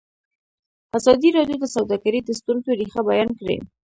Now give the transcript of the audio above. ازادي راډیو د سوداګري د ستونزو رېښه بیان کړې.